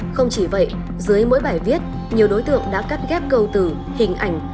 không chỉ vậy dưới mỗi bài viết nhiều đối tượng đã cắt ghép câu tử hình ảnh